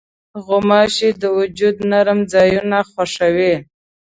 غوماشې د وجود نرم ځایونه خوښوي.